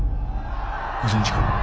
ご存じか？